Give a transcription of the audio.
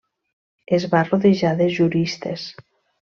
Es va rodejar de juristes.